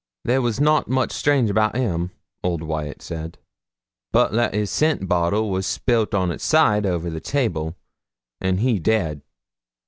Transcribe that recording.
'There was nout much strange about him,' old Wyat said, 'but that his scent bottle was spilt on its side over on the table, and he dead.'